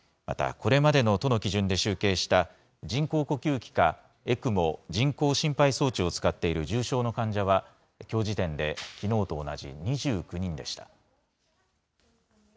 また、これまでの都の基準で集計した、人工呼吸器かＥＣＭＯ・人工心肺装置を使っている重症の患者は、きょう時点で、きのうと同じ２９人でした。